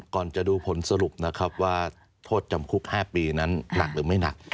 ก่อนจะดูผลสรุปนะครับว่าโทษจำคุก๕ปีนั้นหนักหรือไม่หนัก